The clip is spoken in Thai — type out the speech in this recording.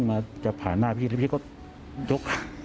พี่เขาวิ่งมาจับผ่านหน้าพี่พี่ก็จก